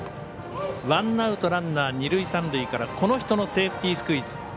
ワンアウトランナー、二塁三塁からこの人のセーフティースクイズ。